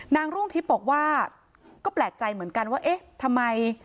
ร่วงทิพย์บอกว่าก็แปลกใจเหมือนกันว่าเอ๊ะทำไม